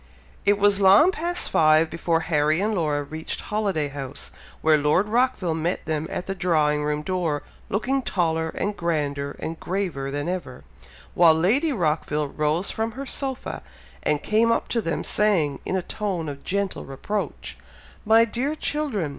It was long past five before Harry and Laura reached Holiday House, where Lord Rockville met them at the drawing room door, looking taller, and grander, and graver than ever, while Lady Rockville rose from her sofa, and came up to them, saying, in a tone of gentle reproach, "My dear children!